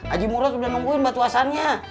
aji murad udah nungguin batu asannya